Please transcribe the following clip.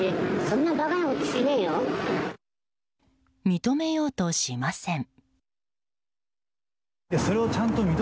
認めようとしません。